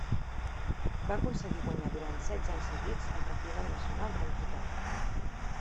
Va aconseguir guanyar durant setze anys seguits el Campionat nacional de Velocitat.